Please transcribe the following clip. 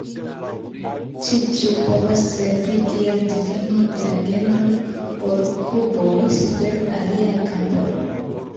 Ĉi tiu povas servi kiel difino de la genro por kurboj super aliaj kampoj.